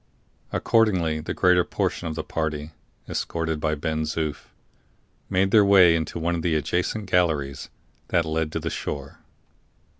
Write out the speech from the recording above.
Accordingly the greater portion of the party, escorted by Ben Zoof, made their way into one of the adjacent galleries that led to the shore.